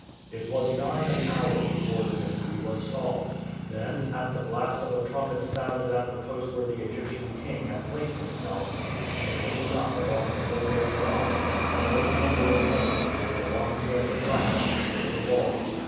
It was nigh an hour before the mystery was solved. Then, at the blast of a trumpet sounded at the post where the Egyptian king had placed himself, and taken up along the whole of the line, a great number of heads appeared along the edge of rock at the foot of the walls.